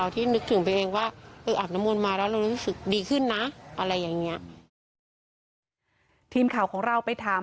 ทีมข่าวของเราไปถาม